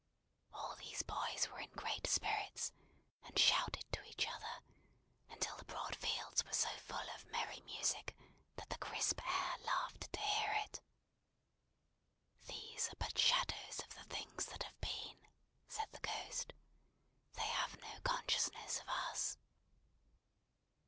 All these boys were in great spirits, and shouted to each other, until the broad fields were so full of merry music, that the crisp air laughed to hear it! "These are but shadows of the things that have been," said the Ghost. "They have no consciousness of us."